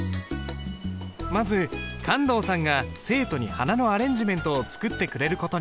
まず観堂さんが生徒に花のアレンジメントを作ってくれる事に。